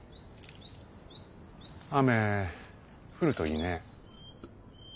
雨降るといいね。